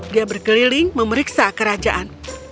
dia berkeliling memeriksa kerajaan